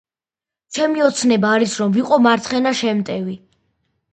ჩემი ოცნება არის რომ ვიყო მარცხენა შემტევი